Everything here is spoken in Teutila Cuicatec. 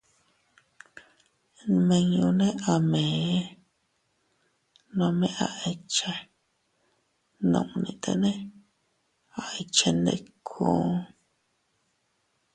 Nminñune a mee, nome a ikche, nunnitene a ikchendikuu.